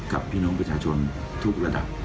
กับพี่น้องประชาชนทุกระดับ